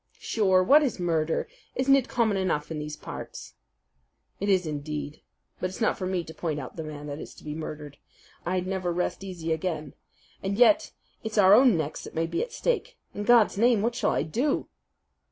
"Sure, what is murder? Isn't it common enough in these parts?" "It is, indeed; but it's not for me to point out the man that is to be murdered. I'd never rest easy again. And yet it's our own necks that may be at stake. In God's name what shall I do?"